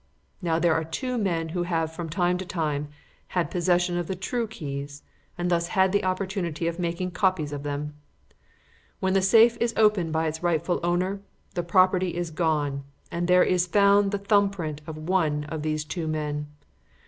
Now there are two men who have, from time to time, had possession of the true keys, and thus had the opportunity of making copies of them. When the safe is opened by its rightful owner, the property is gone, and there is found the print of the thumb of one of these two men.